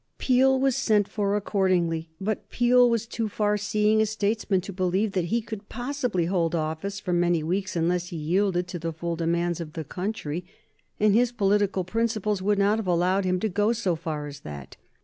Peel was sent for accordingly, but Peel was too far seeing a statesman to believe that he could possibly hold office for many weeks unless he yielded to the full demands of the country, and his political principles would not have allowed him to go so far as that.